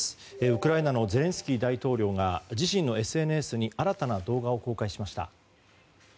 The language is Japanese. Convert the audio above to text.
ウクライナのゼレンスキー大統領が自身のＳＮＳに新たな動画を公開しました。